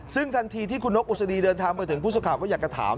ซึ่งทันทีที่คุณนกอศนีเดินทางเมื่อถึงพุทธสุข่าวก็อยากกระถาม